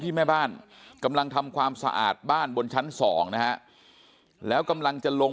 แม่บ้านกำลังทำความสะอาดบ้านบนชั้น๒นะฮะแล้วกำลังจะลง